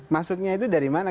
masuknya itu dari mana